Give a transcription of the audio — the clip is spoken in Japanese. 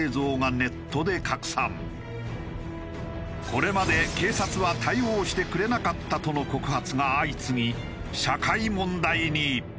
これまで警察は対応してくれなかったとの告発が相次ぎ社会問題に。